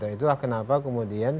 itu kenapa kemudian silaturahim